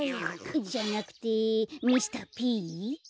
じゃなくてミスターＰ？